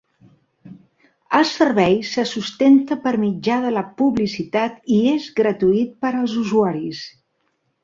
El servei se sustenta per mitjà de la publicitat i és gratuït per als usuaris.